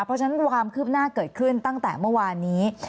เพราะฉะนั้นความคืบหน้าเกิดขึ้นตั้งแต่เมื่อวานนี้